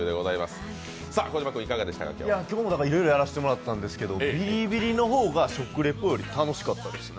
僕もいろいろやらせてもらったんですけど、ビリビリの方が食レポより楽しかったですね。